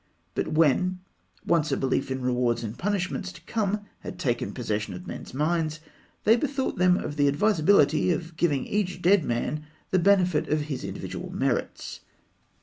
But when once a belief in rewards and punishments to come had taken possession of men's minds, they bethought them of the advisability of giving to each dead man the benefit of his individual merits.